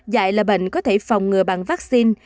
dại là bệnh có thể phòng ngừa bằng vaccine